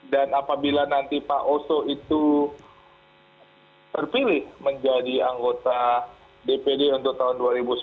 dan apabila nanti pak oso itu terpilih menjadi anggota dpd untuk tahun dua ribu sembilan belas